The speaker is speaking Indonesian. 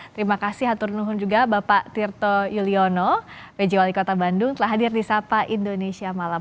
terima kasih hatur nuhun juga bapak tirto yuliono pj wali kota bandung telah hadir di sapa indonesia malam